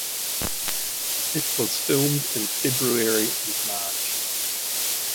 It was filmed in February and March.